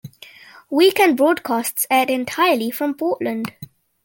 Weekend broadcasts aired entirely from Portland.